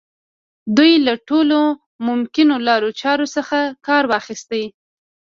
دوی له ټولو ممکنو لارو چارو څخه کار واخيست.